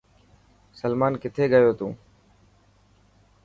سلمان ڪٿي گيو تو.